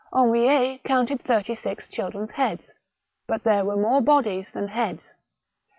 Henriet counted thirty six children's heads, but there were more bodies than heads.